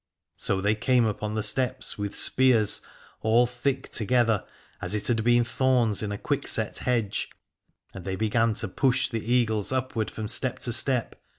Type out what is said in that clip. So they came upon the steps with spears all thick together, as it had been thorns in a quickset hedge, and they began to push the Eagles upward from step to step.